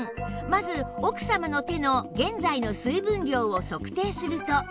まず奥様の手の現在の水分量を測定すると